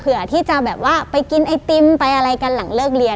เพื่อที่จะแบบว่าไปกินไอติมไปอะไรกันหลังเลิกเรียน